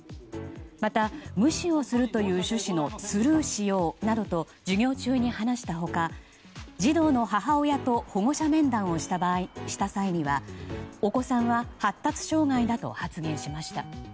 また、無視をするという趣旨のスルーしようなどと授業中に話した他児童の母親と保護者面談をした際にはお子さんは発達障害だと発言しました。